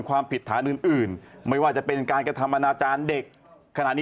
ความผิดฐานอื่นไม่ว่าจะเป็นการกระทำอนาจารย์เด็กขนาดนี้